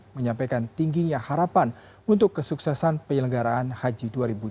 menyampaikan tingginya harapan untuk kesuksesan penyelenggaraan haji dua ribu dua puluh